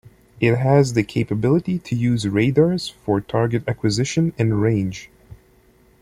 It has the capability to use radars for target acquisition and range.